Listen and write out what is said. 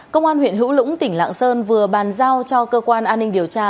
công an huyện hữu lũng tỉnh lạng sơn vừa bàn giao cho cơ quan an ninh điều tra